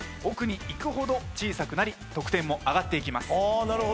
奥に行くほど小さくなり得点も上がっていきます。